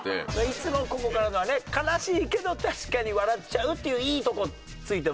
いつもここからのはね悲しいけど確かに笑っちゃうっていういいとこ突いてますもんね。